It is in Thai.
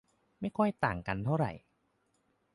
ไม่ค่อยต่างกันเท่าไหร่